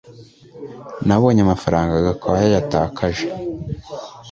Nabonye amafaranga Gakwaya yatakaje